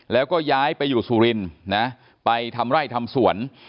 แล้วก็ย้ายไปอยู่สุรินทร์นะไปทำไร่ทำสวน